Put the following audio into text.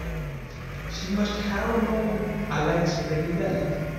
She must have known Alex pretty well.